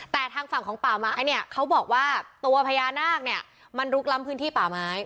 แต่ทางฝั่งของป่าไม้เนี่ยเขาบอกว่าตัวพญานาคเนี่ยมันลุกล้ำพื้นที่ป่าไม้